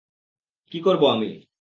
কী করবো আমি?